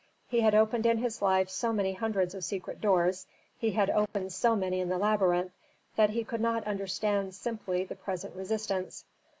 He had opened in his life so many hundreds of secret doors, he had opened so many in the labyrinth, that he could not understand simply the present resistance.